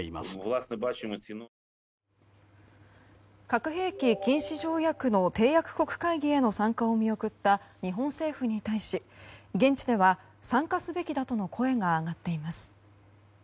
核兵器禁止条約の締約国会議への参加を見送った日本政府に対し現地では参加すべきだとの声が上がっています。